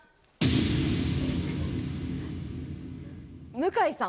向井さん。